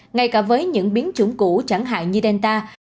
ngay cả với những biến chủng cũ chẳng hạn như delta